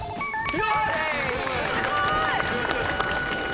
すごーい！